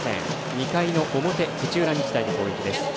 ２回の表、土浦日大の攻撃です。